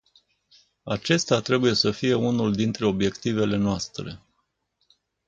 Acesta trebuie să fie unul dintre obiectivele noastre.